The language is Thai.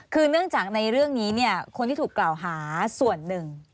คือเนื่องจากในเรื่องนี้เนี่ยคนที่ถูกกล่าวหาส่วนหนึ่ง